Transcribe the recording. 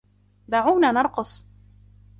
دعونا نرقص.